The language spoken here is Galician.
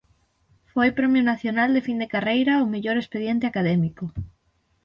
Foi Premio Nacional de Fin de Carreira ó mellor expediente académico.